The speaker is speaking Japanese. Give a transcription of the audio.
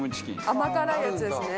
甘辛いやつですね。